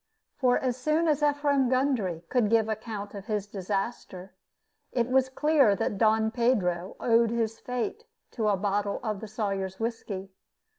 For as soon as Ephraim Gundry could give account of his disaster, it was clear that Don Pedro owed his fate to a bottle of the Sawyer's whiskey.